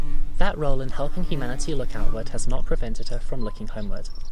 That role in helping humanity look outward has not prevented her from looking homeward.